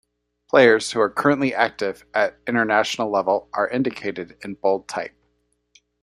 Players who are currently active at international level are indicated in bold type.